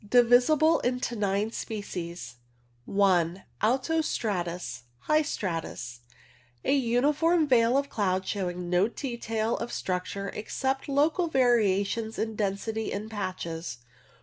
Divisible into nine species. I. Alto stratus. High stratus. A uniform veil of cloud showing no details of i6o CLOUD NOMENCLATURE structure except local variation in density in patches.